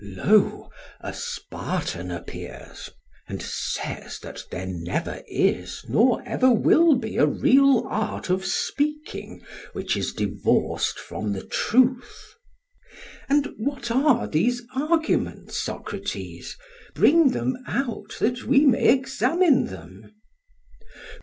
Lo! a Spartan appears, and says that there never is nor ever will be a real art of speaking which is divorced from the truth. PHAEDRUS: And what are these arguments, Socrates? Bring them out that we may examine them.